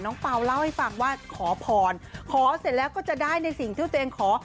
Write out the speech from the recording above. เปล่าเล่าให้ฟังว่าขอพรขอเสร็จแล้วก็จะได้ในสิ่งที่ตัวเองขอ